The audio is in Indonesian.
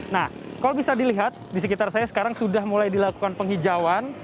nah kalau bisa dilihat di sekitar saya sekarang sudah mulai dilakukan penghijauan